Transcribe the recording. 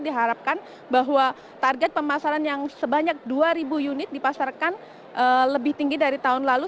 diharapkan bahwa target pemasaran yang sebanyak dua ribu unit dipasarkan lebih tinggi dari tahun lalu